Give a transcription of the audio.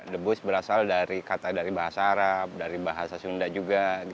debus berasal dari kata dari bahasa arab dari bahasa sunda juga